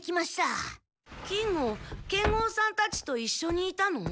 金吾剣豪さんたちといっしょにいたの？